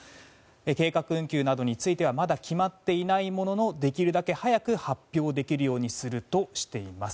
計画運休などについてはまだ決まっていないもののできるだけ早く発表できるようにするとしています。